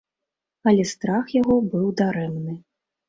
Але страх яго быў дарэмны.